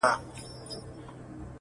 یاره ستا په خوله کي پښتنه ژبه شیرینه ده,